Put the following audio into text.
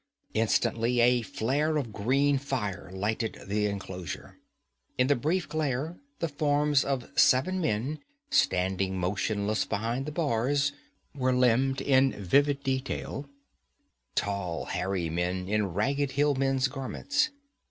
Instantly a flare of green fire lighted the enclosure. In the brief glare the forms of seven men, standing motionless behind the bars, were limned in vivid detail; tall, hairy men in ragged hill men's garments.